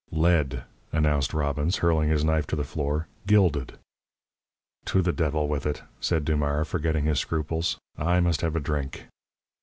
"Lead!" announced Robbins, hurling his knife to the floor "gilded!" "To the devil with it!" said Dumars, forgetting his scruples. "I must have a drink."